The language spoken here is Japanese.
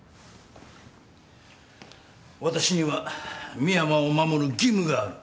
私には深山を守る義務がある。